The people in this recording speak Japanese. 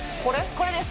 これです。